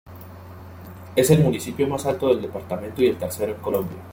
Es el municipio más alto del departamento y el tercero en Colombia.